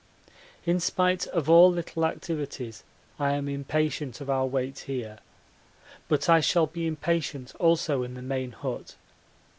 In spite of all little activities I am impatient of our wait here. But I shall be impatient also in the main hut.